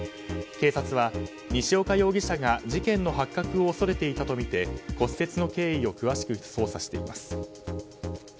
警察は西岡容疑者が事件の発覚を恐れいたとみて骨折の経緯を詳しく捜査しています。